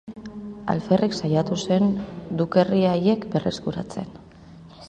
Alferrik saiatu zen dukerri haiek berreskuratzen.